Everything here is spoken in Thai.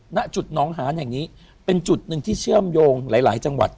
ณจุดน้องหานแห่งนี้เป็นจุดหนึ่งที่เชื่อมโยงหลายจังหวัด